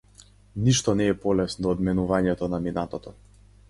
Ништо не е полесно од менувањето на минатото.